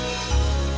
bapak itu siapa pak